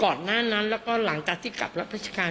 ตอนนี้การเรียกรองความผู้ก็กริยาของเถงคม